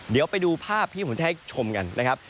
เดี๋ยวไปดูภาพที่ผมจะให้ชมกันนะครับ